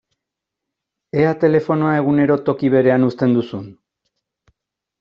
Ea telefonoa egunero toki berean uzten duzun!